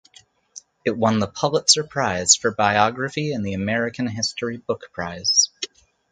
It won the Pulitzer Prize for Biography and the American History Book Prize.